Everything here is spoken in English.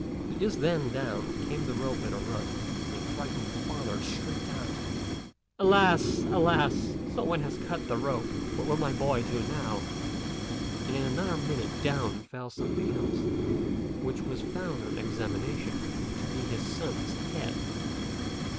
But just then down came the rope with a run, and the affrighted father shrieked out, "Alas! alas! some one has cut the rope: what will my boy do now?" and in another minute down fell something else, which was found on examination to be his son's head.